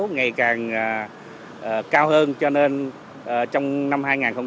ngày càng cao hơn cho nên trong năm hai nghìn hai mươi